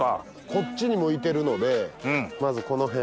こっちに向いてるのでまずこの辺を。